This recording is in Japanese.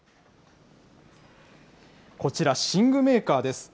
こちら、寝具メーカーです。